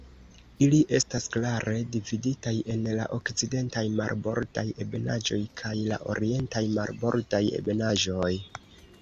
Ili estas klare dividitaj en la Okcidentaj Marbordaj Ebenaĵoj kaj la Orientaj Marbordaj Ebenaĵoj.